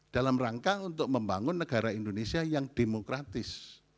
dalam rangka untuk membangun negara indonesia yang demokratis